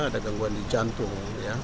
ada gangguan di jantung